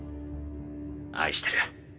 愛してる。